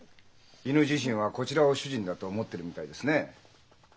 犬自身はこちらを主人だと思ってるみたいですねえ。